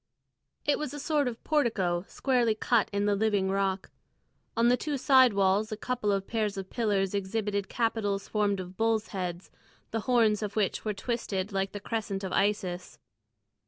It was a sort of portico squarely cut in the living rock. On the two side walls a couple of pairs of pillars exhibited capitals formed of bulls' heads, the horns of which were twisted like the crescent of Isis.